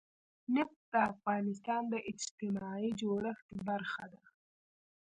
نفت د افغانستان د اجتماعي جوړښت برخه ده.